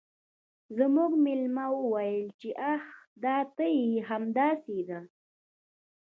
زموږ میلمه وویل چې آه دا ته یې همداسې ده